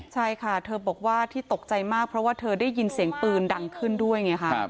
ใช่ค่ะเธอบอกว่าที่ตกใจมากเพราะว่าเธอได้ยินเสียงปืนดังขึ้นด้วยไงคะ